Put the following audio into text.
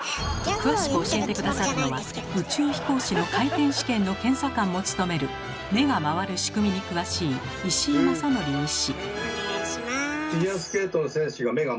詳しく教えて下さるのは宇宙飛行士の回転試験の検査官も務める目が回る仕組みに詳しい石井正則医師。